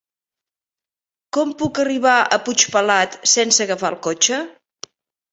Com puc arribar a Puigpelat sense agafar el cotxe?